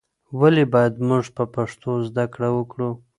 ولې باید موږ په پښتو زده کړه وکړو؟